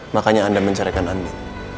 makanya anda mencarikan andin